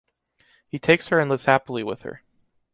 He takes her and lives happily with her.